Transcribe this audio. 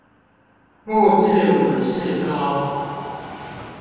木製武士刀